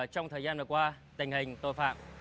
trong thời gian vừa qua tình hình tội phạm